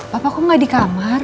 papa kok nggak di kamar